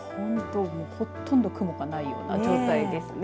ほとんど雲がないような状態ですね。